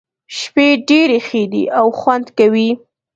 شپې ډېرې ښې دي او خوند کوي.